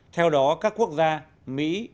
theo đó các quốc gia mỹ